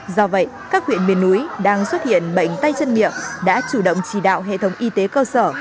do vậy các huyện miền núi đang xuất hiện bệnh tay chân miệng đã chủ động chỉ đạo hệ thống y tế cơ sở